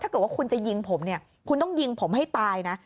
ถ้าเกิดว่าคุณจะยิงผมเนี่ยคุณต้องยิงผมให้ตายนะ